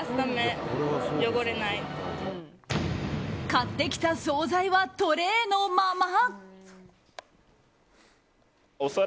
買ってきた総菜はトレイのまま。